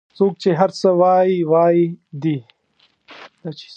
څوک چې هر څه وایي وایي دي